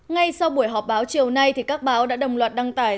ngay sau buổi họp báo chiều nay các báo đã đồng loạt đăng tải